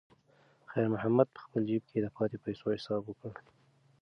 خیر محمد په خپل جېب کې د پاتې پیسو حساب وکړ.